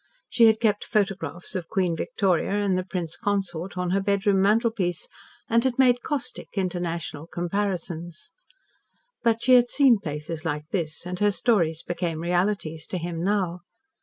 She had kept photographs of Queen Victoria and the Prince Consort on her bedroom mantelpiece, and had made caustic, international comparisons. But she had seen places like this, and her stories became realities to him now.